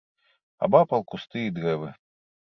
Абапал кусты і дрэвы.